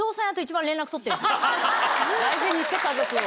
大事にして家族を。